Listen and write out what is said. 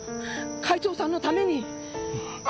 会長さんのために。